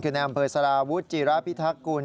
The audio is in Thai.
คือในอำเภอสารวุฒิจีระพิทักกุล